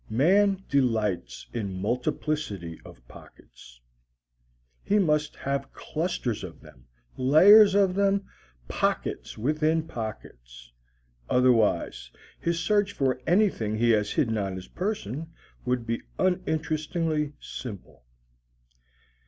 Man delights in multiplicity of pockets. He must have clusters of them, layers of them, pockets within pockets. Otherwise his search for anything he has hidden on his person would be uninterestingly simple.